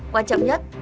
quan trọng nhất